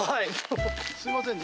すいませんね。